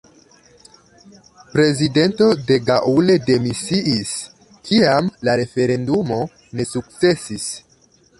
Prezidento de Gaulle demisiis kiam la referendumo ne sukcesis.